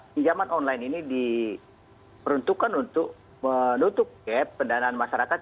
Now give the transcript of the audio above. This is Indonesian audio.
pinjaman online ini diperuntukkan untuk menutup kepedanaan masyarakat